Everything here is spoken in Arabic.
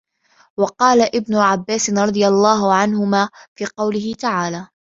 وَقَالَ ابْنُ عَبَّاسٍ رَضِيَ اللَّهُ عَنْهُمَا فِي قَوْله تَعَالَى